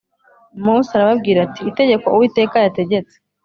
Mose arababwira ati Itegeko Uwiteka yategetse